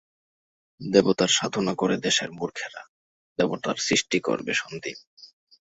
দেবতার সাধনা করে দেশের মূর্খেরা, দেবতার সৃষ্টি করবে সন্দীপ।